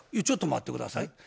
「ちょっと待って下さい。